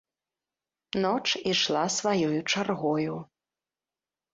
Ноч ішла сваёю чаргою.